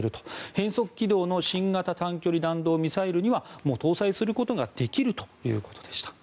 変則軌道の新型短距離弾道ミサイルには搭載することができるということでした。